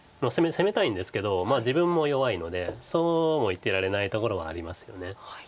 攻めたいんですけど自分も弱いのでそうも言ってられないところがありますよね。